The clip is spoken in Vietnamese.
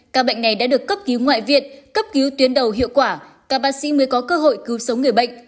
các bệnh này đã được cấp cứu ngoại viện cấp cứu tuyến đầu hiệu quả các bác sĩ mới có cơ hội cứu sống người bệnh